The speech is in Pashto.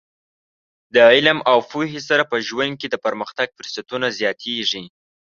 د علم او پوهې سره په ژوند کې د پرمختګ فرصتونه زیاتېږي.